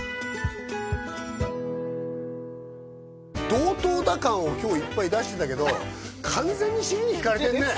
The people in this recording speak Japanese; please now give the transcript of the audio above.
同等だ感を今日いっぱい出してたけど完全に尻に敷かれてるね